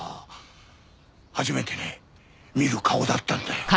初めてね見る顔だったんだよ。